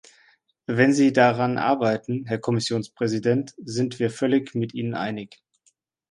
Wenn Sie daran arbeiten, Herr Kommissionspräsident, sind wir völlig mit Ihnen einig.